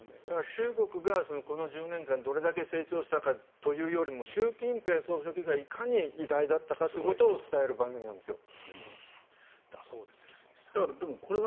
中国がこの１０年間どれくらい成長したかというよりも習近平総書記がいかに偉大だったかっていうことを伝える番組なんですよ。